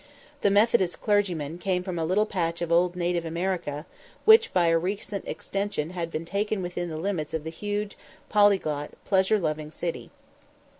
The Methodist clergyman came from a little patch of old native America which by a recent extension had been taken within the limits of the huge, polyglot, pleasure loving city.